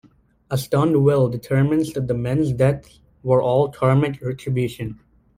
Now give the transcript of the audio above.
A stunned Will determines that the men's deaths were all karmic retribution.